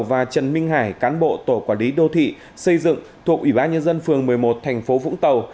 và trần minh hải cán bộ tổ quản lý đô thị xây dựng thuộc ủy ban nhân dân phường một mươi một thành phố vũng tàu